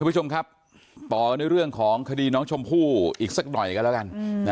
ผู้ชมครับต่อกันในเรื่องของคดีน้องชมพู่อีกสักหน่อยกันแล้วกัน